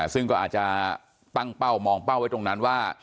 ซึ่งก็อาจจะตั้งเป้ามองเป้าไว้ตรงนั้นว่า